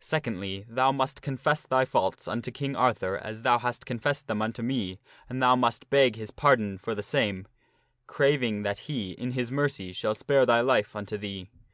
Secondly, thou must confess thy faults unto King Arthur as thou hast confessed them unto me and thou must beg his par don for the same, craving that he, in his mercy, shall spare thy life unto thee.